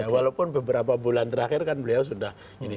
walaupun beberapa bulan terakhir kan beliau sudah ini